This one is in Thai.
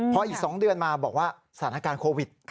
พออีก๒เดือนมาบอกว่าสถานการณ์โควิด